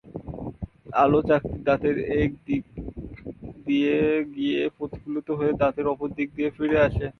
আলো চাকতির দাঁতের এক দিক দিয়ে গিয়ে প্রতিফলিত হয়ে দাঁতের অপর দিক দিয়ে ফিরে আসে।